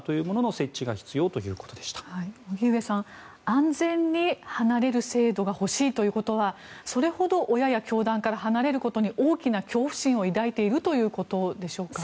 安全に離れる制度が欲しいということはそれほど親や教団から離れることに大きな恐怖心を抱いているということでしょうか？